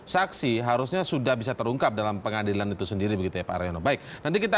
saksi harusnya sudah bisa terungkap dalam pengadilan itu sendiri begitu ya pak aryono baik nanti kita